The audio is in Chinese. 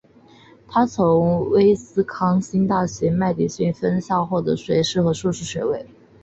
他从威斯康辛大学麦迪逊分校获得学士与硕士学位。